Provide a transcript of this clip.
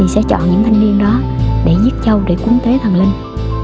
sẽ chọn những thanh niên đó để giết trâu để cúng tế thần linh